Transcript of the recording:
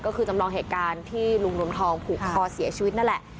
ก็คือจำลองเหตุการณ์ที่ลุงนวมทองผูกคอเสียชีวิตนั่นแหละ